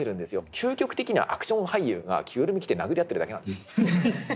究極的にはアクション俳優が着ぐるみ着て殴り合ってるだけなんです。